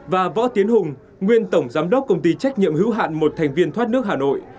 và võ tiến hùng nguyên tổng giám đốc công ty trách nhiệm hữu hạn một thành viên thoát nước hà nội